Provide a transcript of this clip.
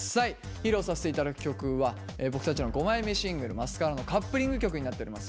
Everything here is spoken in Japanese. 披露させて頂く曲は僕たちの５枚目シングル「マスカラ」のカップリング曲になっております